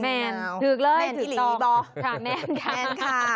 แมนที่ต่อ